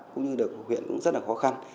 cũng như được huyện cũng rất là khó khăn